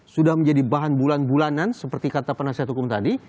sudah menjadi bahan bulan bulanan seperti kata penasihat hukum tadi